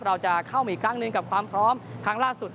เราจะเข้ามาอีกครั้งหนึ่งกับความพร้อมครั้งล่าสุด